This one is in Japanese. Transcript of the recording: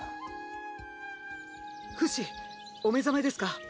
フシ！お目覚めですか？